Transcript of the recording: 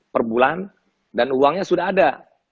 perbulan dan uangnya sudah ada